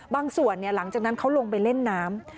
บางส่วนเนี่ยหลังจากนั้นเขาลงไปเล่นน้ำ